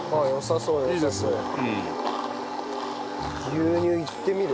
牛乳いってみる？